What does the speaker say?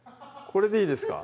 これでいいですか？